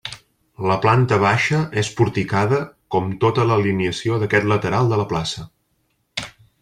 La planta baixa és porticada com tota l'alineació d'aquest lateral de la plaça.